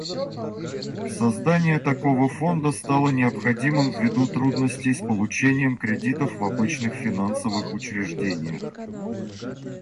Создание такого фонда стало необходимым ввиду трудностей с получением кредитов в обычных финансовых учреждениях.